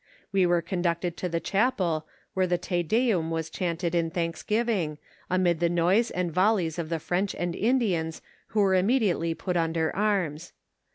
We were con ducted to the chapel whore tho To Denm was chanted in thanksgiving, amid the noise and volleys of the French and Indians who were immodititely put under arms.